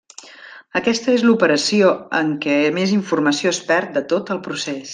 Aquesta és l'operació en què més informació es perd de tot el procés.